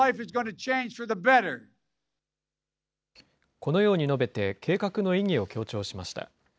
このように述べて、計画の意義を強調しました。